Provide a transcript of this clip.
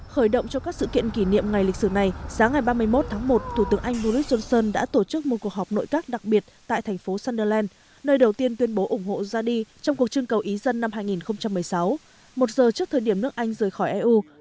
khởi động cho các sự kiện kỷ niệm ngày lịch sử này sáng ngày ba mươi một tháng một thủ tướng anh boris johnson đã tổ chức một cuộc họp nội các đặc biệt tại thành phố sunderland nơi đầu tiên tuyên bố ủng hộ ra đi trong cuộc trưng cầu ý dân năm hai nghìn một mươi sáu một giờ trước thời điểm nước anh rời khỏi eu